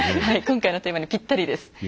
はい今回のテーマにぴったりです。